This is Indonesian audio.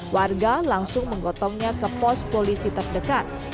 warga langsung menggotongnya ke pos polisi terdekat